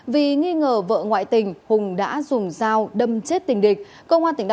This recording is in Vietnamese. vì nghi ngờ vợ ngoại tình hùng đã dùng dao đâm chết tình địch